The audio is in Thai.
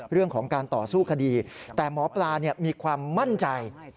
เรื่องของการต่อสู้คดีแต่หมอปลามีความมั่นใจ